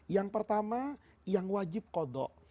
yang pertama yang wajib kodok